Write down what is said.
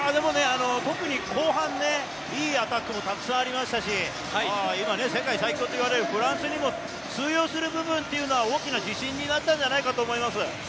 特に後半、いいアタックもたくさんありましたし、世界最強といわれるフランスにも通用する部分は大きな自信になったんじゃないかと思います。